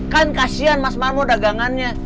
kan kasian mas marmo dagangannya